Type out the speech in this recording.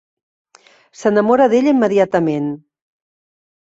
S'enamora d'ella immediatament.